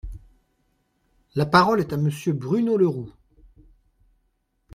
La parole est à Monsieur Bruno Le Roux.